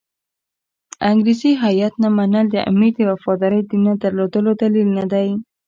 د انګریزي هیات نه منل د امیر د وفادارۍ نه درلودلو دلیل نه دی.